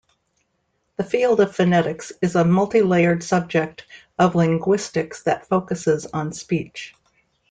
The field of phonetics is a multilayered subject of linguistics that focuses on speech.